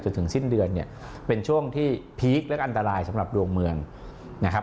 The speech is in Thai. ถึงสิ้นเดือนเนี่ยเป็นช่วงที่พีคและอันตรายสำหรับดวงเมืองนะครับ